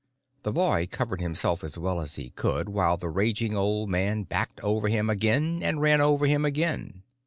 The boy covered himself as well as he could while the raging old man backed over him again and ran over him again.